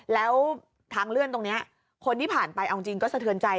แล้วทางเลื่อนตรงนี้คนที่ผ่านไปเอาจริงก็สะเทือนใจ